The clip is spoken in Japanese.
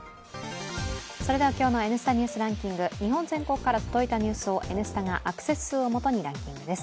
今日の「Ｎスタ・ニュースランキング」日本全国から届いたニュースを「Ｎスタ」がアクセス数をもとにランキングです。